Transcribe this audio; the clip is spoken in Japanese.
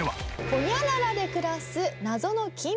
ホニャララで暮らす謎の金髪美女。